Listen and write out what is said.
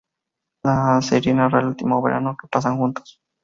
La serie narra el último verano que pasan juntos.